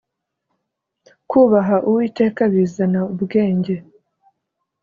Kubaha uwiteka Bizana ubwenge